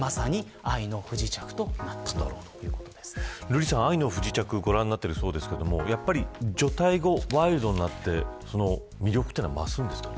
瑠麗さん、愛の不時着はご覧になっているそうですがやっぱり除隊後ワイルドになって魅力は増すんですか。